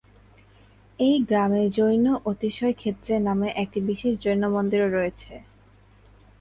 এই গ্রামে জৈন অতিশয় ক্ষেত্র নামে একটি বিখ্যাত জৈন মন্দিরও রয়েছে।